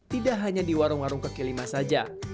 tidak hanya di warung warung kaki lima saja